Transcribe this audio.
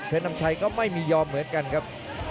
นำชัยก็ไม่มียอมเหมือนกันครับ